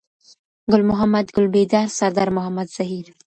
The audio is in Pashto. ګل محمد ګلبيدار سردارمحمد زهير